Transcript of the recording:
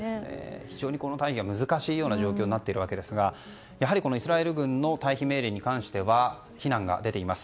非常に退避は、難しい状況になっているわけですがイスラエル軍の退避命令に関しては非難が出ています。